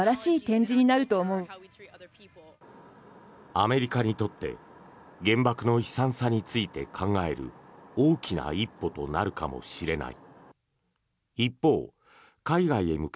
アメリカにとって原爆の悲惨さについて考える大きな一歩となるかもしれない。